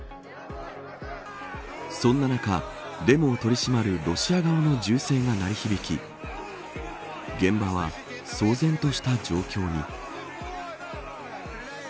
そんな中、デモを取り締まるロシア側の銃声が鳴り響き現場は騒然とした状況に。